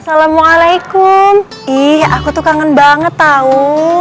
assalamualaikum ih aku tuh kangen banget tau